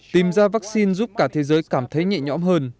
tìm ra vaccine giúp cả thế giới cảm thấy nhẹ nhõm hơn